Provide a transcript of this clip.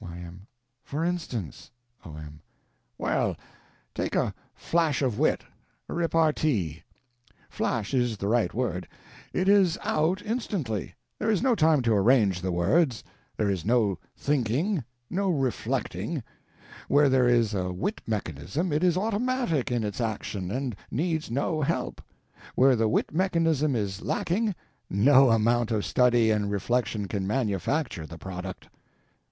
Y.M. For instance? O.M. Well, take a "flash of wit"—repartee. Flash is the right word. It is out instantly. There is no time to arrange the words. There is no thinking, no reflecting. Where there is a wit mechanism it is automatic in its action and needs no help. Where the wit mechanism is lacking, no amount of study and reflection can manufacture the product.